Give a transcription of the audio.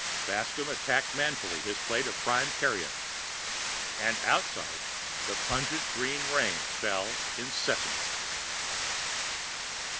Bascomb attacked manfully his plate of prime carrion. And outside the pungent green rain fell incessantly.